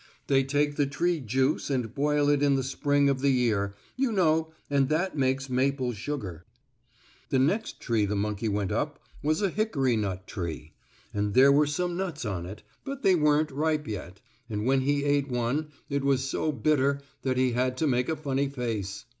They take the tree juice and boil it in the spring of the year, you know, and that makes maple sugar. The next tree the monkey went up was a hickory nut tree, and there were some nuts on it, but they weren't ripe yet, and when he ate one it was so bitter that he had to make a funny face.